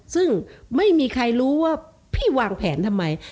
ซึ่งไม่มีใครรู้ว่าพี่วางแผนทำไม